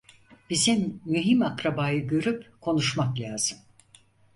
Bizim mühim akrabayı görüp konuşmak lazım.